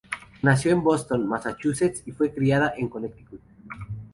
Nació en Boston, Massachusetts y fue criada en Connecticut.